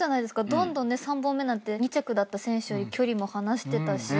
どんどんね３本目なんて２着だった選手より距離も離してたし。